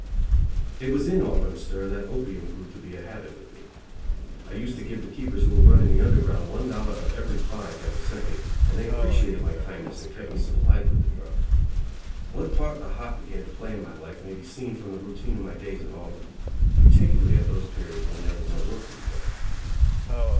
It was in Auburn stir that opium grew to be a habit with me. I used to give the keepers who were running the Underground one dollar of every five that were sent me, and they appreciated my kindness and kept me supplied with the drug. What part the hop began to play in my life may be seen from the routine of my days at Auburn; particularly at those periods when there was no work to be done.